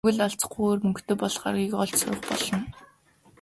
Тэгвэл алзахгүйгээр мөнгөтэй болох аргыг олж сурах болно.